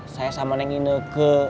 saya sama neng ineke